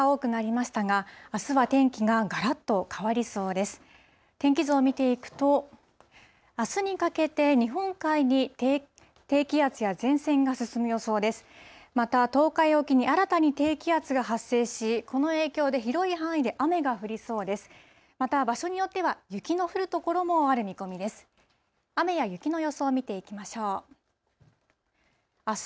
また、東海沖に新たに低気圧が発生し、この影響で広い範囲で雨が降りそうです。